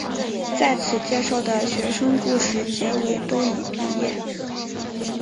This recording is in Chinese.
在此介绍的学生故事结尾都已毕业。